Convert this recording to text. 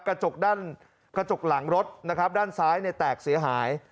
กระจกด้านกระจกหลังรถนะครับด้านซ้ายเนี่ยแตกเสียหาย